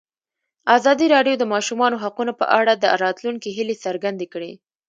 ازادي راډیو د د ماشومانو حقونه په اړه د راتلونکي هیلې څرګندې کړې.